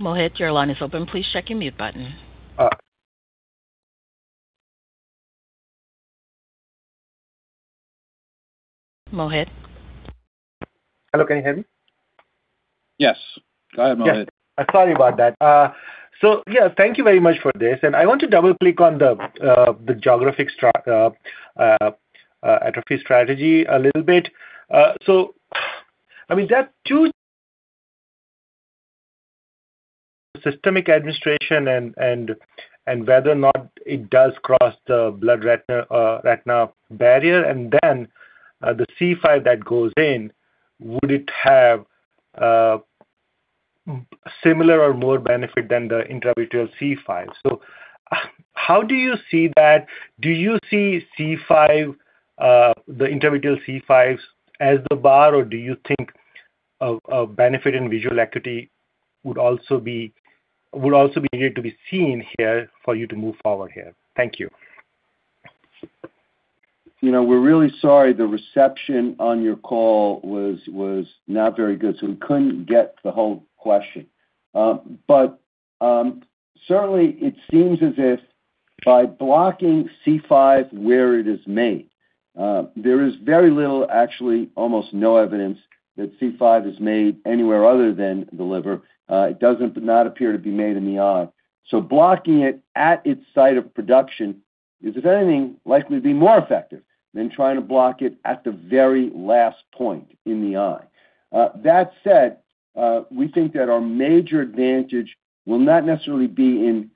Mohit, your line is open. Please check your mute button. Mohit? Hello, can you hear me? Yes. Go ahead, Mohit. Sorry about that. Thank you very much for this, and I want to double-click on the Geographic Atrophy strategy a little bit. There are two systemic administration and whether or not it does cross the blood-retinal barrier, and then the C5 that goes in, would it have similar or more benefit than the intravitreal C5? How do you see that? Do you see the intravitreal C5 as the bar, or do you think a benefit in visual acuity would also be here to be seen here for you to move forward here? Thank you. We're really sorry the reception on your call was not very good, so we couldn't get the whole question. Certainly it seems as if by blocking C5 where it is made, there is very little, actually almost no evidence that C5 is made anywhere other than the liver. It does not appear to be made in the eye. Blocking it at its site of production is, if anything, likely to be more effective than trying to block it at the very last point in the eye. That said, we think that our major advantage will not necessarily be in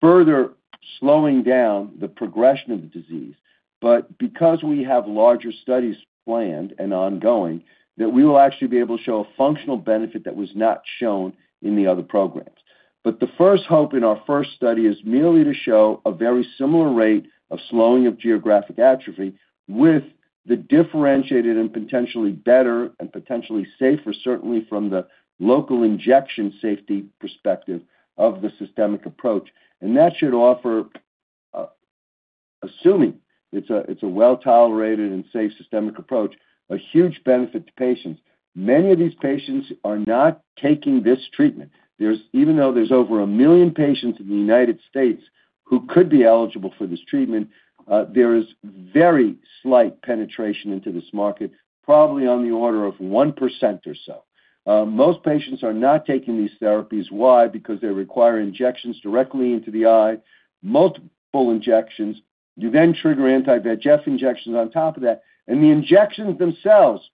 further slowing down the progression of the disease, but because we have larger studies planned and ongoing that we will actually be able to show a functional benefit that was not shown in the other programs. The first hope in our first study is merely to show a very similar rate of slowing of Geographic Atrophy with the differentiated and potentially better and potentially safer, certainly from the local injection safety perspective of the systemic approach. That should offer, assuming it's a well-tolerated and safe systemic approach, a huge benefit to patients. Many of these patients are not taking this treatment. Even though there's over 1 million patients in the United States who could be eligible for this treatment, there is very slight penetration into this market, probably on the order of 1% or so. Most patients are not taking these therapies. Why? Because they require injections directly into the eye, multiple injections. You then trigger anti-VEGF injections on top of that, and the injections themselves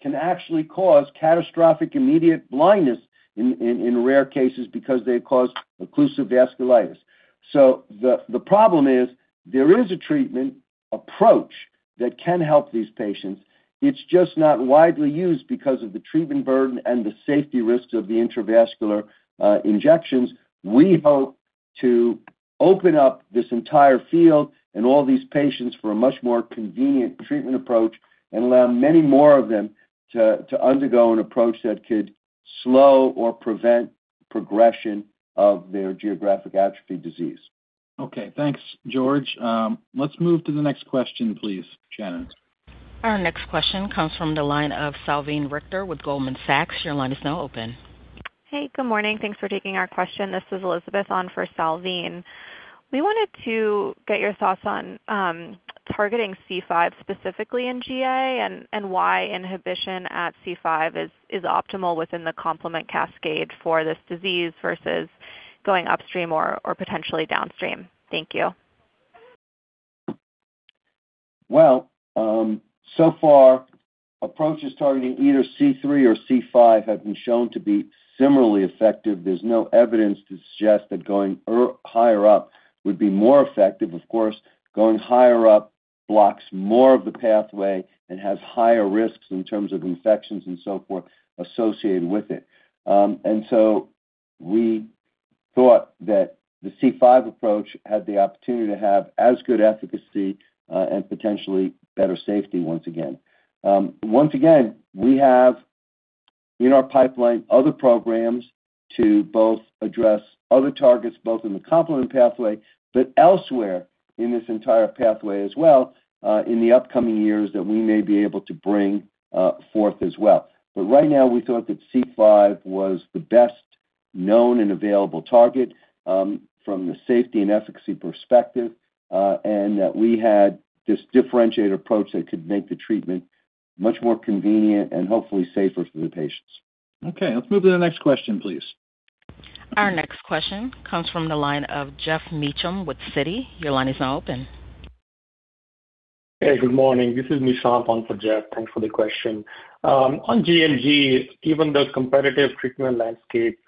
can actually cause catastrophic immediate blindness in rare cases because they cause occlusive vasculitis. The problem is there is a treatment approach that can help these patients. It's just not widely used because of the treatment burden and the safety risks of the intravascular injections. We hope to open up this entire field and all these patients for a much more convenient treatment approach and allow many more of them to undergo an approach that could slow or prevent progression of their Geographic Atrophy disease. Okay. Thanks, George. Let's move to the next question, please. Shannon. Our next question comes from the line of Salveen Richter with Goldman Sachs. Your line is now open. Hey, good morning. Thanks for taking our question. This is Elizabeth on for Salveen. We wanted to get your thoughts on targeting C5 specifically in GA, and why inhibition at C5 is optimal within the complement cascade for this disease versus going upstream or potentially downstream. Thank you. Well, so far approaches targeting either C3 or C5 have been shown to be similarly effective. There's no evidence to suggest that going higher up would be more effective. Of course, going higher up blocks more of the pathway and has higher risks in terms of infections and so forth associated with it. We thought that the C5 approach had the opportunity to have as good efficacy and potentially better safety once again. Once again, we have in our pipeline other programs to both address other targets, both in the complement pathway, but elsewhere in this entire pathway as well in the upcoming years that we may be able to bring forth as well. Right now, we thought that C5 was the best known and available target from the safety and efficacy perspective, and that we had this differentiated approach that could make the treatment much more convenient and hopefully safer for the patients. Okay. Let's move to the next question, please. Our next question comes from the line of Geoff Meacham with Citi. Your line is now open. Hey, good morning. This is Nishant on for Geoff. Thanks for the question. On gMG, given the competitive treatment landscape,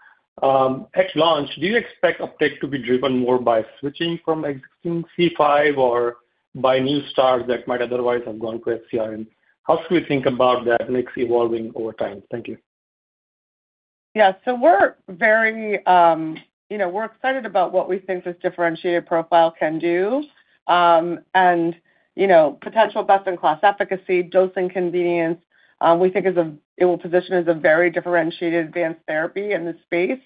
at launch, do you expect uptake to be driven more by switching from existing C5 or by new starts that might otherwise have gone to FcRn? How should we think about that mix evolving over time? Thank you. Yes. We're excited about what we think this differentiated profile can do. Potential best-in-class efficacy, dosing convenience, we think it will position as a very differentiated advanced therapy in this space.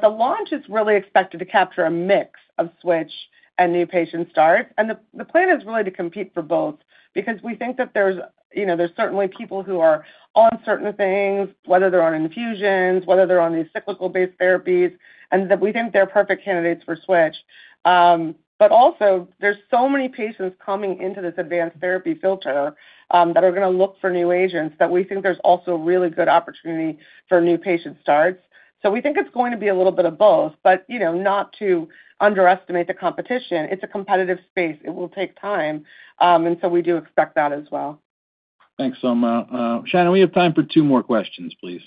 The launch is really expected to capture a mix of switch and new patient starts. The plan is really to compete for both, because we think that there's certainly people who are on certain things, whether they're on infusions, whether they're on these cyclical-based therapies, and that we think they're perfect candidates for switch. Also, there's so many patients coming into this advanced therapy filter that are going to look for new agents that we think there's also a really good opportunity for new patient starts. We think it's going to be a little bit of both, but not to underestimate the competition. It's a competitive space. It will take time. We do expect that as well. Thanks, Soma. Shannon, we have time for two more questions, please.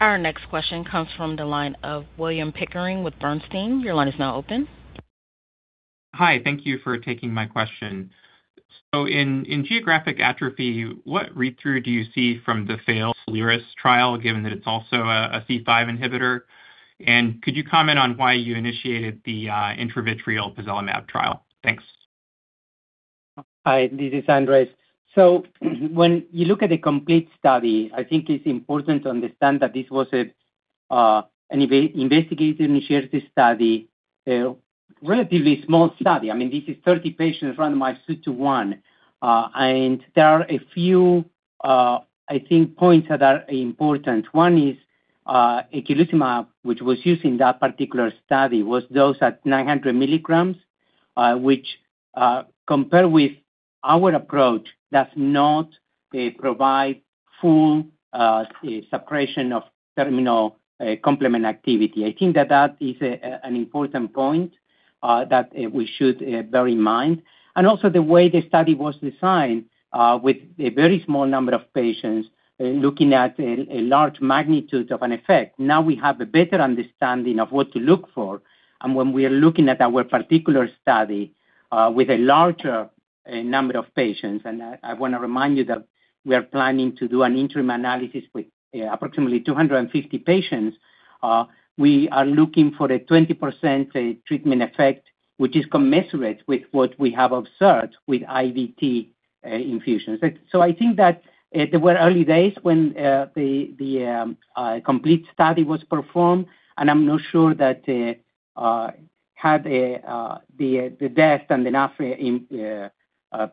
Our next question comes from the line of William Pickering with Bernstein. Your line is now open. Hi. Thank you for taking my question. In Geographic Atrophy, what read-through do you see from the failed Soliris trial, given that it's also a C5 inhibitor? And could you comment on why you initiated the intravitreal bevacizumab trial? Thanks. Hi, this is Andres. When you look at the COMPLETE study, I think it's important to understand that this was an investigator-initiated study, a relatively small study. This is 30 patients randomized 2-to-1. There are a few, I think, points that are important. One is eculizumab, which was used in that particular study, was dosed at 900 milligrams, which compared with our approach, does not provide full suppression of terminal complement activity. I think that is an important point that we should bear in mind. Also the way the study was designed with a very small number of patients looking at a large magnitude of an effect. Now we have a better understanding of what to look for. When we are looking at our particular study with a larger number of patients, and I want to remind you that we are planning to do an interim analysis with approximately 250 patients, we are looking for a 20% treatment effect, which is commensurate with what we have observed with IVT infusions. I think that they were early days when the COMPLETE study was performed, and I'm not sure that had the depth and enough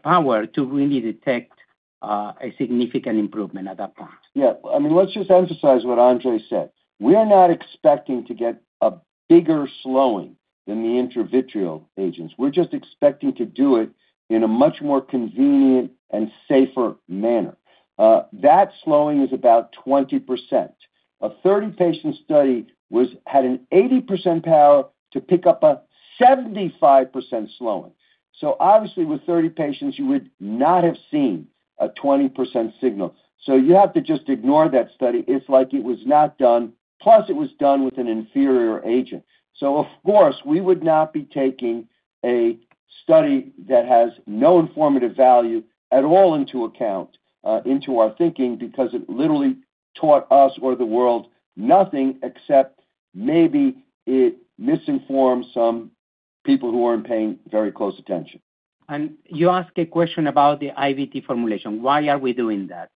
power to really detect a significant improvement at that point. Yeah. Let's just emphasize what Andres said. We're not expecting to get a bigger slowing than the intravitreal agents. We're just expecting to do it in a much more convenient and safer manner. That slowing is about 20%. A 30-patient study had an 80% power to pick up a 75% slowing. Obviously with 30 patients, you would not have seen a 20% signal. You have to just ignore that study. It's like it was not done. Plus, it was done with an inferior agent. Of course, we would not be taking a study that has no informative value at all into account into our thinking because it literally taught us or the world nothing except maybe it misinformed some people who weren't paying very close attention. You ask a question about the IVT formulation. Why are we doing that?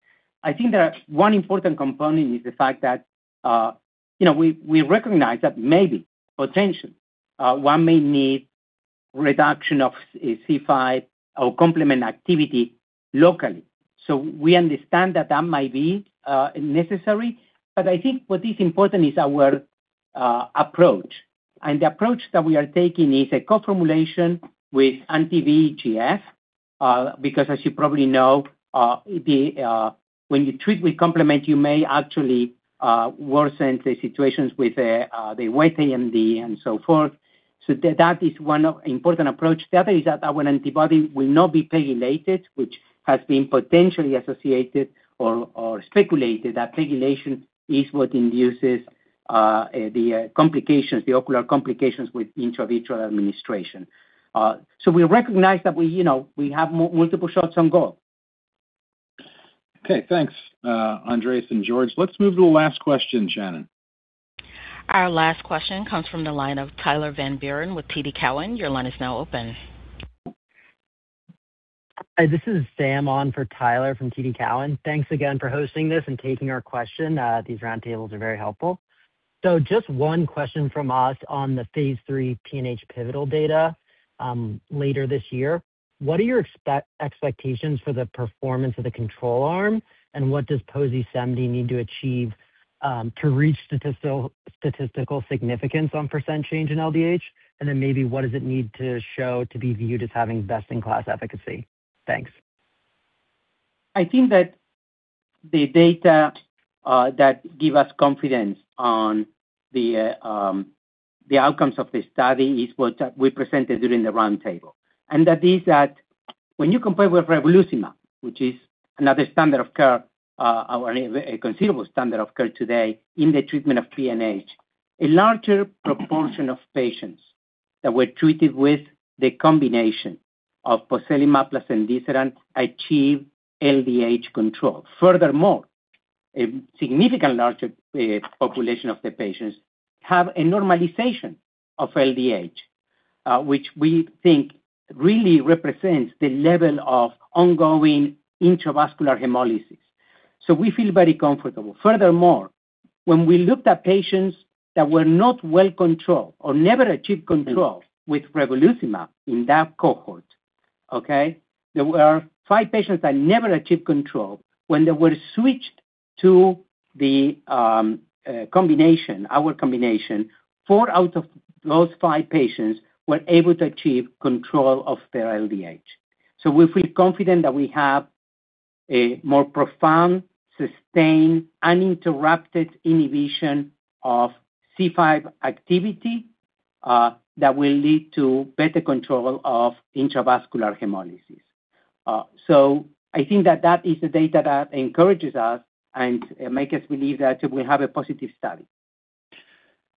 I think that one important component is the fact that we recognize that maybe, potentially, one may need reduction of C5 or complement activity locally. We understand that that might be necessary. I think what is important is our approach. The approach that we are taking is a co-formulation with anti-VEGF, because as you probably know, when you treat with complement, you may actually worsen the situations with the wet AMD and so forth. That is one important approach. The other is that our antibody will not be PEGylated, which has been potentially associated or speculated that PEGylation is what induces the ocular complications with intravitreal administration. We recognize that we have multiple shots on goal. Okay, thanks, Andres and George. Let's move to the last question, Shannon. Our last question comes from the line of Tyler Van Buren with TD Cowen. Your line is now open. Hi, this is Sam on for Tyler from TD Cowen. Thanks again for hosting this and taking our question. These Roundtables are very helpful. Just one question from us on the phase III PNH pivotal data, later this year. What are your expectations for the performance of the control arm? What does pozelimab need to achieve, to reach statistical significance on percent change in LDH? Then maybe what does it need to show to be viewed as having best-in-class efficacy? Thanks. I think that the data that give us confidence on the outcomes of the study is what we presented during the Roundtable. That is that when you compare with ravulizumab, which is another standard of care, or a considerable standard of care today in the treatment of PNH, a larger proportion of patients that were treated with the combination of pozelimab plus cemdisiran achieve LDH control. Furthermore, a significantly larger population of the patients have a normalization of LDH, which we think really represents the level of ongoing intravascular hemolysis. We feel very comfortable. Furthermore, when we looked at patients that were not well controlled or never achieved control with ravulizumab in that cohort, okay? There were five patients that never achieved control when they were switched to the combination, our combination, four out of those five patients were able to achieve control of their LDH. We feel confident that we have a more profound, sustained, uninterrupted inhibition of C5 activity, that will lead to better control of intravascular hemolysis. I think that is the data that encourages us and make us believe that we have a positive study.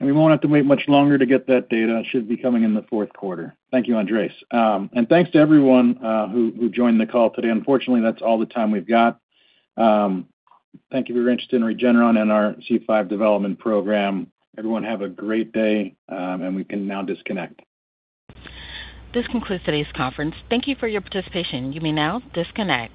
We won't have to wait much longer to get that data. It should be coming in the fourth quarter. Thank you, Andres. Thanks to everyone who joined the call today. Unfortunately, that's all the time we've got. Thank you for your interest in Regeneron and our C5 development program. Everyone have a great day, and we can now disconnect. This concludes today's conference. Thank you for your participation. You may now disconnect.